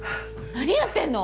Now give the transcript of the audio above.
何やってんの？